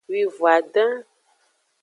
Wivon-aden.